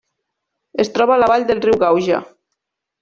Es troba a la vall del riu Gauja.